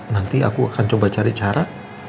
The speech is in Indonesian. nanti aku akan coba cari cara